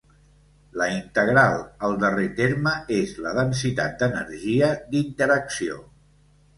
La integral al darrer terme és la densitat d'energia d'interacció.